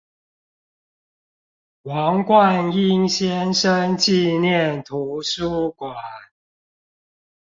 王貫英先生紀念圖書館